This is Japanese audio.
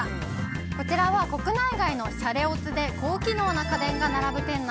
こちらは国内外のシャレオツで高機能な家電が並ぶ店内。